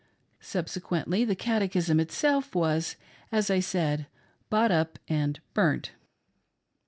Subsequently the catechism itself was, as I said, bought up and burnt.